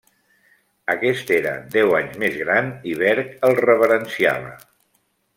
Aquest era deu anys més gran i Berg el reverenciava.